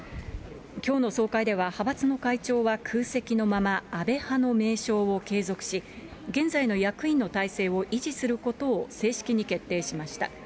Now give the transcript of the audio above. きょうの総会では、派閥の会長は空席のまま、安倍派の名称を継続し、現在の役員の体制を維持することを正式に決定しました。